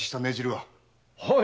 はい。